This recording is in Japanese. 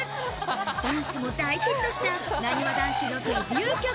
ダンスも大ヒットした、なにわ男子のデビュー曲。